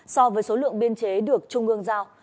so với số lượng biên chế được trung ương giao